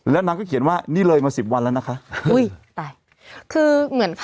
แล้วนางก็เขียนว่านี่เลยมาสิบวันแล้วนะคะอุ้ยตายคือเหมือน